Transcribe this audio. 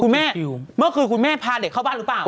เมื่อคืนคุณแม่พาเด็กเข้าบ้านหรือเปล่า